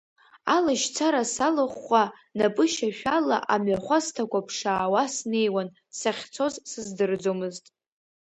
Алашьцара салахәхәа, напышьашәала амҩахәасҭақәа ԥшаауа снеиуан, сахьцоз сыздырӡомызт.